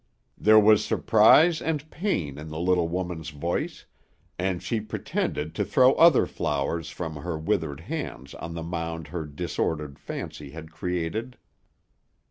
"There was surprise and pain in the little woman's voice, and she pretended to throw other flowers from her withered hands on the mound her disordered fancy had created.